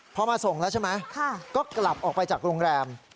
พอมาส่งแล้วใช่ไหมก็กลับออกไปจากโรงแรม